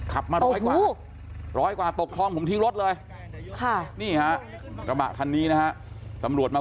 แล้วก็ดื่มเหล้ามาด้วย